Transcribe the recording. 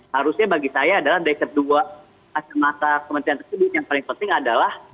harusnya bagi saya adalah dari kedua kacamata kementerian tersebut yang paling penting adalah